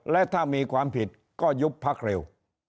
และถ้ามีความผิดก็ยุบพักเร็ว